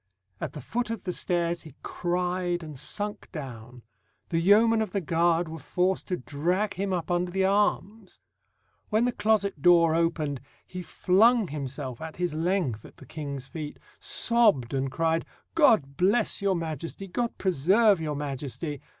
At the foot of the stairs he cried and sunk down; the yeomen of the guard were forced to drag him up under the arms. When the closet door opened, he flung himself at his length at the King's feet, sobbed, and cried, "God bless your Majesty! God preserve your Majesty!"